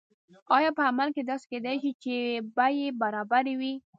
آیا په عمل کې داسې کیدای شي چې بیې برابرې وي؟